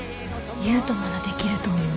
悠太ならできると思う。